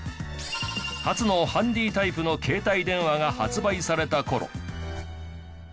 初のハンディータイプの携帯電話が発売された頃。